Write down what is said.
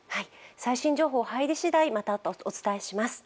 最新情報、入り次第、またお伝えします。